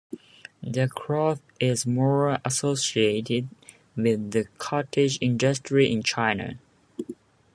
The cloth is more associated with the cottage industry in China.